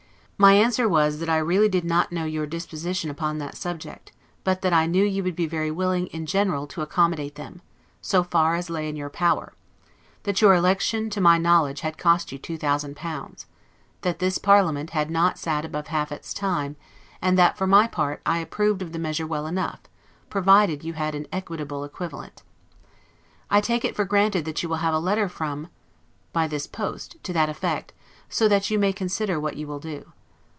My answer was, that I really did not know your disposition upon that subject: but that I knew you would be very willing, in general, to accommodate them, so far as lay in your power: that your election, to my knowledge, had cost you two thousand pounds; that this parliament had not sat above half its time; and that, for my part, I approved of the measure well enough, provided you had an equitable equivalent. I take it for granted that you will have a letter from , by this post, to that effect, so that you must consider what you will do.